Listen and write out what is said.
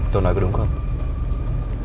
tôi nói có đúng không